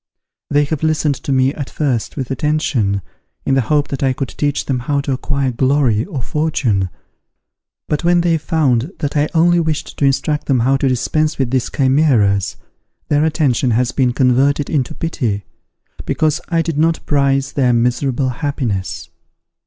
They have listened to me at first with attention, in the hope that I could teach them how to acquire glory or fortune, but when they found that I only wished to instruct them how to dispense with these chimeras, their attention has been converted into pity, because I did not prize their miserable happiness.